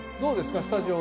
スタジオは。